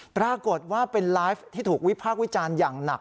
ปรากฏเป็นรายชีพที่ผลิตอย่างหนัก